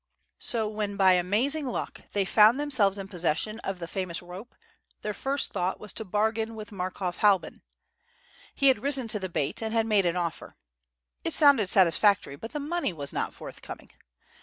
So, when by amazing luck they found themselves in possession of the famous rope, their first thought was to bargain with Markoff Halbin. He had risen to the bait, and had made an offer. It sounded satisfactory, but the money was not forthcoming.